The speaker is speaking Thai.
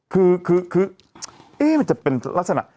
คือมันจะเป็นลักษณะ